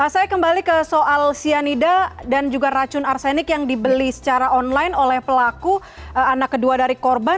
saya kembali ke soal cyanida dan juga racun arsenik yang dibeli secara online oleh pelaku anak kedua dari korban